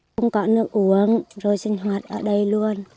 không có nước uống rồi sinh hoạt ở đây luôn